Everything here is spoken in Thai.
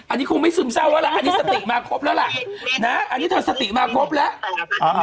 อันนี้คงไม่ซึมเจ้าอะล่ะอันนี้สติมาครบแล้วล่ะนะอันนี้สติมาครบแล้วอ๋ออ๋อ